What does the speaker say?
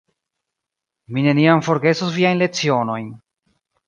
Mi neniam forgesos viajn lecionojn.